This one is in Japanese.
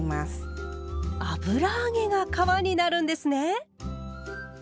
油揚げが皮になるんですね！